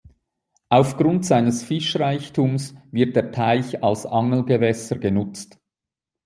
Auf Grund seines Fischreichtums wird der Teich als Angelgewässer genutzt.